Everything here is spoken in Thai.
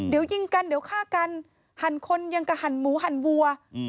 เดี๋ยวยิงกันเดี๋ยวฆ่ากันหั่นคนยังกับหั่นหมูหั่นวัว